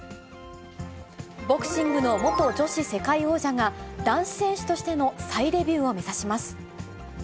ボクシングの元女子世界王者が、男子選手としての再デビューを目指します。